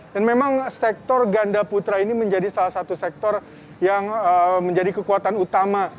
dan memang sektor ganda putra ini menjadi salah satu sektor yang menjadi kekuatan utama